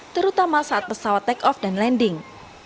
terutama saat pesawat take off dan landing